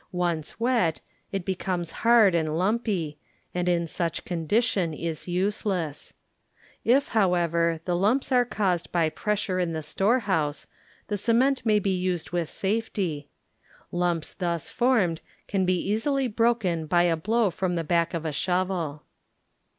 Once wet, it becomes hard and lumpy, and in such condition is useless. If, how ever, the lumps are caused by pressure in the storehouse, the cement may be used with safety. Lumps thus formed can be easily broken by a blow from the back of a shovel.